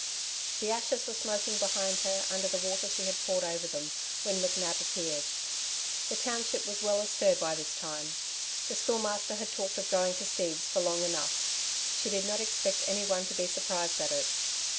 The ashes were smoking behind her, under the water she had poured over them, when McNab appeared. The township was well astir by this time. The Schoolmaster had talked of going to Steve's for long enough; she did not expect anyone to be surprised at it.